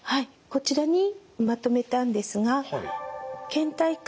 こちらにまとめたんですがけん怠感